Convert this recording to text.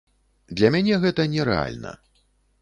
Для мяне гэта нерэальна.